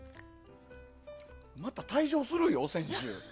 また退場するよ、選手。